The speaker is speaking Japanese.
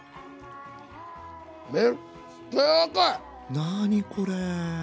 何これ？